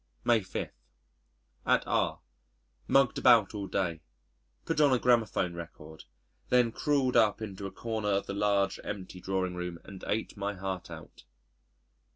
May 5. At R . Mugged about all day. Put on a gramophone record then crawled up into a corner of the large, empty drawing room and ate my heart out.